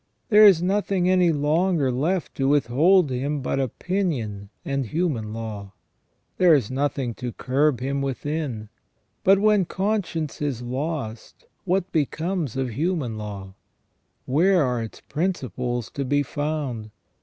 There is nothing any longer left to withhold him but opinion and human law. There is nothing to curb him within. But when conscience is lost what becomes of human law ? Where are its principles to be found